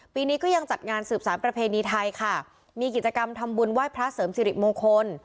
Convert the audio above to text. ปีนี้ก็ยังจัดงานสืบสารประเพณีไทยค่ะมีกิจกรรมทำบุญไหว้พระเสริมสิริมงคล